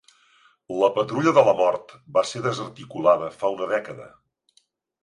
La Patrulla de la Mort va ser desarticulada fa una dècada.